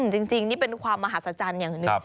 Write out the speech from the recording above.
จริงนี่เป็นความมหาศจรรย์อย่างหนึ่ง